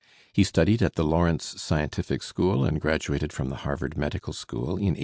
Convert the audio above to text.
He studied at the Lawrence Scientific School and graduated from the Harvard Medical School in 1869.